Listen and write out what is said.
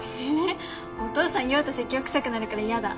えお父さん酔うと説教くさくなるからやだ。